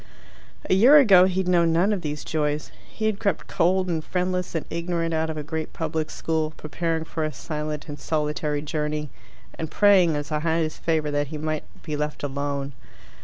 A year ago he had known none of these joys. He had crept cold and friendless and ignorant out of a great public school, preparing for a silent and solitary journey, and praying as a highest favour that he might be left alone.